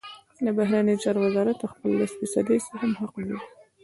د بهرنیو چارو وزارت د خپل لس فیصدۍ سهم حق بولي.